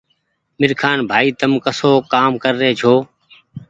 ميرخآن ڀآئي تم ڪسو ڪآم ڪر رهي ڇو